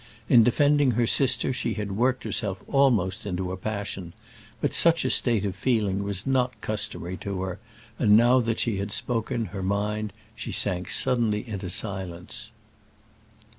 In defending her sister she had worked herself almost into a passion; but such a state of feeling was not customary to her, and now that she had spoken her mind she sank suddenly into silence.